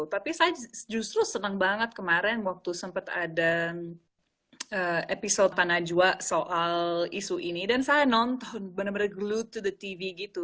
tapi saya justru senang banget kemarin waktu sempat ada episode panajwa soal isu ini dan saya nonton benar benar glood to the tv gitu